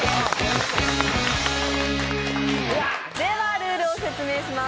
ルールを説明します。